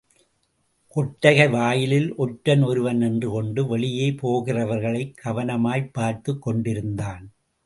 கொட்டகை வாயிலில் ஒற்றன் ஒருவன் நின்று கொண்டு வெளியே போகிறவர்களைக் கவனமாய்ப் பார்த்துக் கொண்டிருந்தான்.